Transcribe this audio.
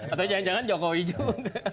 atau jangan jangan jokowi juga